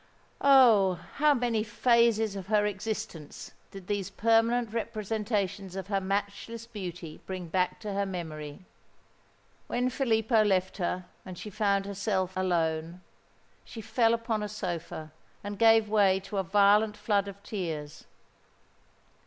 Oh! how many phases of her existence did these permanent representations of her matchless beauty bring back to her memory! When Filippo left her, and she found herself alone, she fell upon a sofa, and gave way to a violent flood of tears.